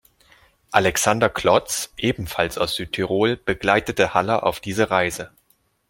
Alexander Klotz, ebenfalls aus Südtirol, begleitete Haller auf diese Reise.